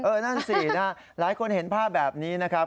นั่นสินะหลายคนเห็นภาพแบบนี้นะครับ